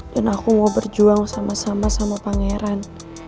dan aku mau berjuang sama sama sama pangeran